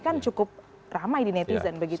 kan cukup ramai di netizen begitu ya